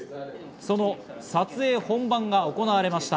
その撮影本番が行われました。